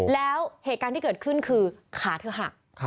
แล้วเหตุการณ์ที่เกิดขึ้นคือขาเธอหัก